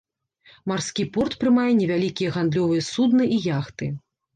Марскі порт прымае невялікія гандлёвыя судны і яхты.